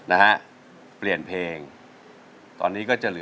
ใช้ใช้ใช้